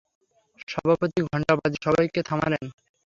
সভাপতি ঘণ্টা বাজিয়ে সবাইকে থামালেন।